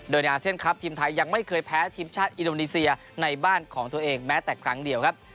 โดยในอาเซียนครับทีมไทยยังไม่เคยแพ้ทีมชาติอินโดนีเซียในบ้านของตัวเองแม้แต่ครั้งเดียวครับ